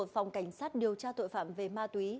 phòng cảnh sát điều tra tội phạm về ma túy